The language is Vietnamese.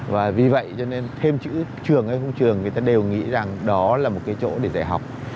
và vì vậy cho nên thêm chữ trường hay không trường người ta đều nghĩ rằng đó là một cái chỗ để dạy học